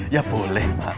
ya boleh mak